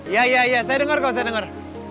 iya iya saya denger kok saya denger